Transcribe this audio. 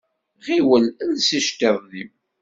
Ɣiwel els iceṭṭiḍen-im.